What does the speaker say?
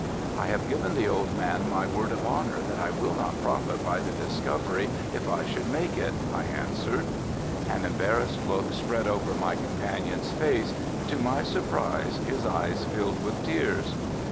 "I have given the old man my word of honor that I will not profit by the discovery if I should make it," I answered. An embarrassed look spread over my companion's face and to my surprise his eyes filled with tears.